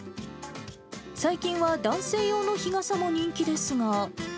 最近は男性用の日傘も人気ですが。